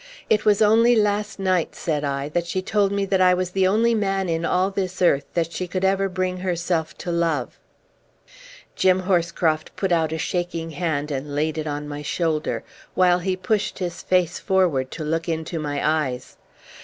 "It was only last night," said I, "that she told me that I was the only man in all this earth that she could ever bring herself to love." Jim Horscroft put out a shaking hand and laid it on my shoulder, while he pushed his face forward to look into my eyes.